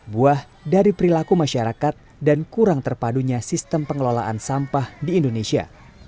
buah dari perilaku masyarakat dan kurang terpadunya sistem pengelolaan sampah di indonesia